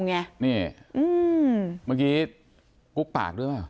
เมื่อกี้กุ๊กปากด้วยเปล่า